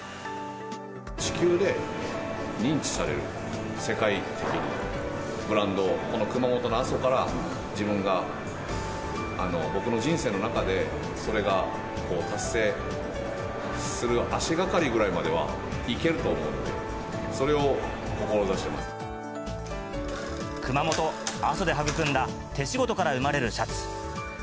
地球で認知される、世界的ブランドを、この熊本の阿蘇から、自分が、僕の人生の中でそれが達成する足がかりぐらいまではいけ熊本・阿蘇で育んだ手仕事から生まれるシャツ。